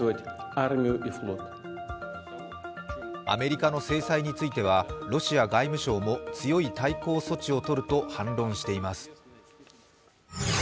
アメリカの制裁についてはロシア外務省も強い対抗措置を取ると反論しています。